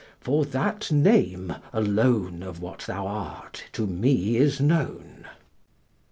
for that name alone Of what thou art to me is known."